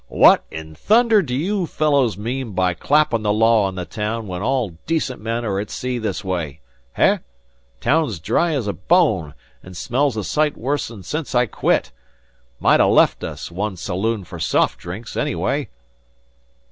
"What in thunder do you fellows mean by clappin' the law on the town when all decent men are at sea this way? Heh? Town's dry as a bone, an' smells a sight worse sence I quit. 'Might ha' left us one saloon for soft drinks, anyway."